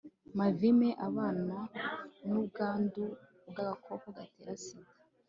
mavime abana n'ubwandu bw'agakoko gatera sida